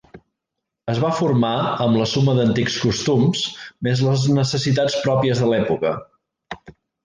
Es va formar amb la suma d'antics costums més les necessitats pròpies de l'època.